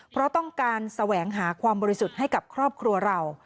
เพราะต้องการแสวงหาความบริสุทธิ์ให้กับครอบครัวเรา